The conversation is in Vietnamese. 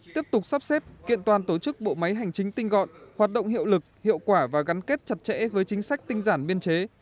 tiếp tục sắp xếp kiện toàn tổ chức bộ máy hành chính tinh gọn hoạt động hiệu lực hiệu quả và gắn kết chặt chẽ với chính sách tinh giản biên chế